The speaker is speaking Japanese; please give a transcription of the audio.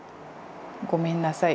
ごめんなさい。